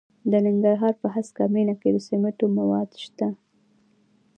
د ننګرهار په هسکه مینه کې د سمنټو مواد شته.